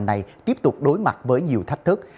này tiếp tục đối mặt với nhiều thách thức